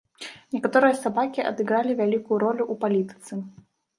Некаторыя сабакі адыгралі вялікую ролю ў палітыцы.